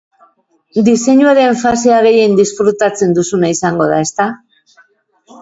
Diseinuaren fasea gehien disfrutatzen duzuna izango da, ezta?